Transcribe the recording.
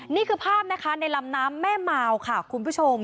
นี่คือภาพนะคะในลำน้ำแม่มาวค่ะคุณผู้ชม